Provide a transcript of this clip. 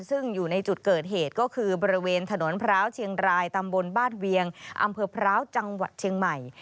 ซึ่งอยู่ในจุดเกิดเหตุก็คือบริเวณถนนพร้าวเชียงรายตำบลบ้านเวียงอำเภอพร้าวจังหวัดเชียงใหม่